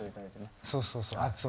そうそうそう。